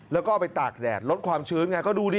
แล้วก็เอาไปตากแดดลดความชื้นไงก็ดูดิ